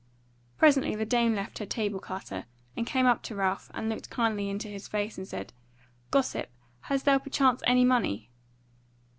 Presently the dame left her table clatter and came up to Ralph and looked kindly into his face and said: "Gossip, hast thou perchance any money?"